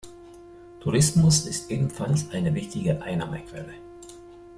Tourismus ist ebenfalls eine wichtige Einnahmequelle.